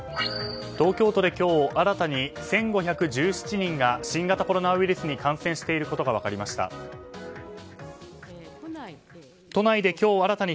東京都で今日、新たに１５１７人が新型コロナウイルスに感染していることが分かりました。